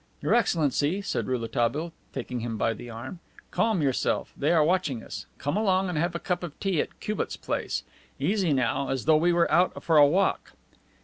"Your Excellency," said Rouletabille, taking him by the arm, "calm yourself. They are watching us. Come along and have a cup of tea at Cubat's place. Easy now, as though we were out for a walk."